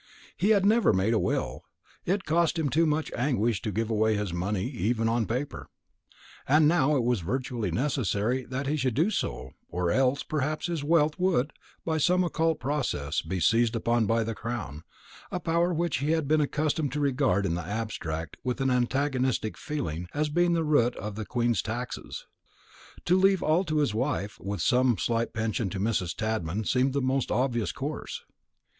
He had never made a will; it cost him too much anguish to give away his money even on paper. And now it was virtually necessary that he should do so, or else, perhaps, his wealth would, by some occult process, be seized upon by the crown a power which he had been accustomed to regard in the abstract with an antagonistic feeling, as being the root of queen's taxes. To leave all to his wife, with some slight pension to Mrs. Tadman, seemed the most obvious course.